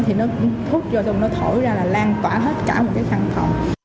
thì nó thuốc vô nó thổi ra là lan tỏa hết cả một cái căn phòng